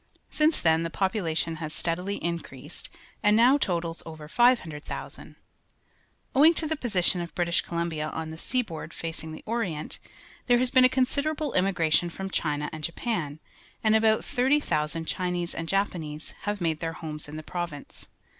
Since then the population has steadily increased and now totals o\ er 500,000. Owijig to the position of British Columbia on the sea board facing the Orient, there has been a considerable inmiigration from China and Japan, and about 30,000 Cliinese and Japanese have made their homes in the province.